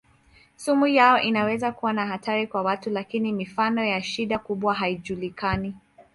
Sumu yao inaweza kuwa na hatari kwa watu lakini mifano ya shida kubwa haijulikani.